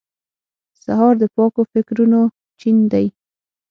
سهار د پاکو فکرونو چین دی.